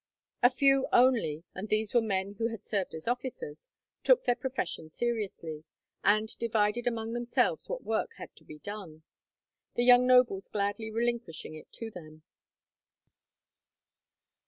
A few only, and these were men who had served as officers, took their profession seriously, and divided among themselves what work had to be done, the young nobles gladly relinquishing it to them.